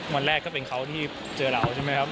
วันแรกก็เป็นเขาที่เจอเราใช่ไหมครับ